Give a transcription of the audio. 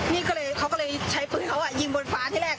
นี่ก็เลยเขาก็เลยใช้ปืนเขายิงบนฟ้าที่แรก